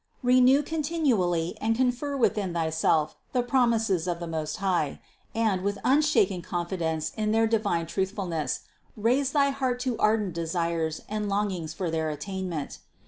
Renew continually and confer within thyself the promises of the Most High and, with un shaken confidence in their divine truthfulness, raise thy THE CONCEPTION 395 heart to ardent desires and longings for their attainment.